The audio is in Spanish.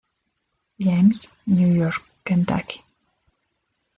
James, New York, Kentucky.